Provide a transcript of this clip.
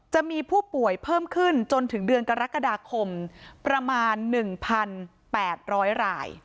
จะมีผู้ป่วยเพิ่มขึ้นจนถึงเดือนกรกฎาคมประมาณ๑๘๐๐ราย